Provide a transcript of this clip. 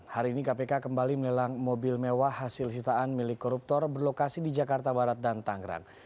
hari ini kpk kembali melelang mobil mewah hasil sitaan milik koruptor berlokasi di jakarta barat dan tanggerang